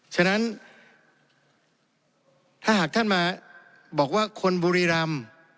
ฉะนั้นถ้าหากท่านมาบอกว่าคนบุรีรำ